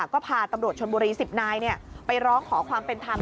ก็พาตำรวจชนบุรี๑๐นายไปร้องขอความเป็นธรรม